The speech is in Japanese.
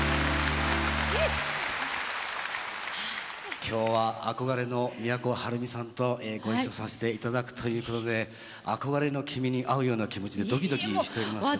今日は憧れの都はるみさんとご一緒させていただくということで憧れの君に会うような気持ちでドキドキしておりますけど。